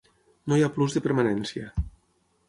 No hi ha plus de permanència.